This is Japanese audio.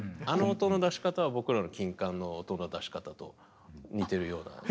あの音の出し方は僕らの金管の音の出し方と似てるような。